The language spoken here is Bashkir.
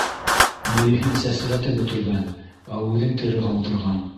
Мейеһен сәсрәтеп бөтөргән, ә үҙен тере ҡалдырған.